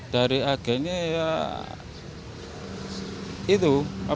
dari agennya ya itu